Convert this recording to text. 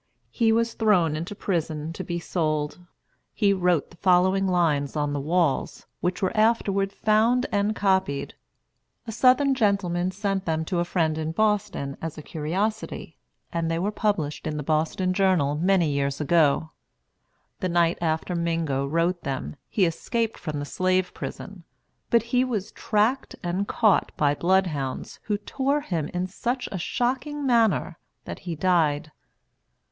He was thrown into prison, to be sold. He wrote the following lines on the walls, which were afterward found and copied. A Southern gentleman sent them to a friend in Boston, as a curiosity, and they were published in the Boston Journal, many years ago. The night after Mingo wrote them, he escaped from the slave prison; but he was tracked and caught by bloodhounds, who tore him in such a shocking manner that he died.